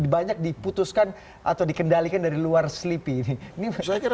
banyak diputuskan atau dikendalikan dari luar sleepy ini